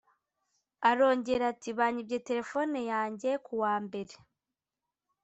Arongera ati “Banyibye telefone yanjye ku wa Mbere